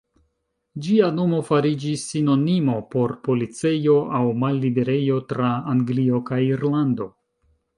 Ĝia nomo fariĝis sinonimo por policejo aŭ malliberejo tra Anglio kaj Irlando.